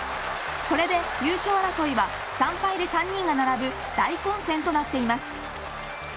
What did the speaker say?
これで優勝争いは３敗で３人が並ぶ大混戦となっています。